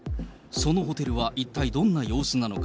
そのホテルは一体どんな様子なのか。